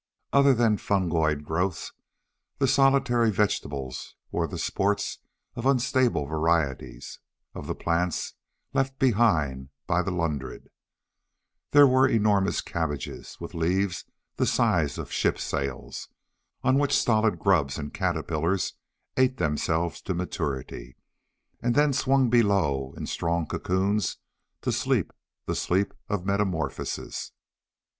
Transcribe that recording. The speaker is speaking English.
Other than fungoid growths, the solitary vegetables were the sports of unstable varieties of the plants left behind by the Ludred. There were enormous cabbages, with leaves the size of ship sails, on which stolid grubs and caterpillars ate themselves to maturity, and then swung below in strong cocoons to sleep the sleep of metamorphosis.